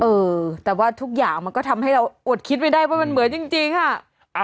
เออแต่ว่าทุกอย่างมันก็ทำให้เราอดคิดไม่ได้ว่ามันเหมือนจริงค่ะ